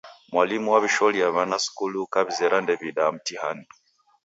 Mwalimu washolia wana wa skulu, ukawizera ndew'iida mtihani.